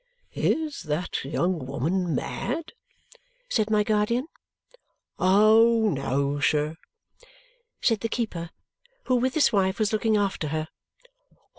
"Is that young woman mad?" said my guardian. "Oh, no, sir!" said the keeper, who, with his wife, was looking after her.